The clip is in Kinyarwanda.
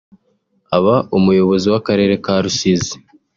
Aha Umuyobozi w’Akarere ka Rusizi